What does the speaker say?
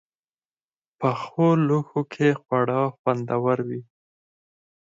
پخو لوښو کې خواړه خوندور وي